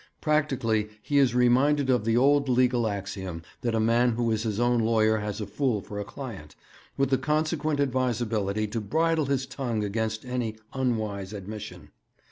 Practically he is reminded of the old legal axiom that a man who is his own lawyer has a fool for a client, with the consequent advisability to bridle his tongue against any unwise admission.